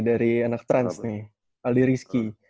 dari anak trans nih aldi rizky